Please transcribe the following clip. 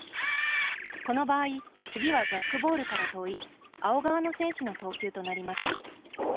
この場合、次はジャックボールから遠い青側の選手の投球となります。